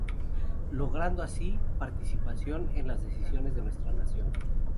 Logrando así participación en las decisiones de nuestra Nación".